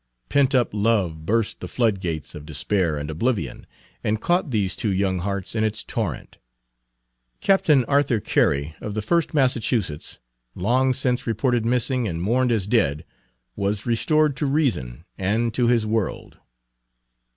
Pent up love burst the flood gates of despair Page 167 and oblivion, and caught these two young hearts in its torrent. Captain Arthur Carey, of the 1st Massachusetts, long since reported missing, and mourned as dead, was restored to reason and to his world.